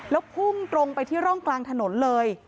แล้วพุ่งตรงไปที่ร่องกลางถนนเลย